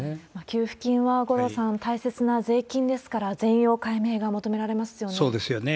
給付金は、五郎さん、大切な税金ですから、全容解明が求めらそうですよね。